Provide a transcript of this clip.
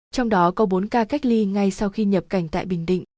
trong đó có bốn ca cách ly ngay sau khi nhập cảnh tại bình định